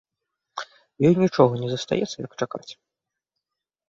Ёй нічога не застаецца, як чакаць.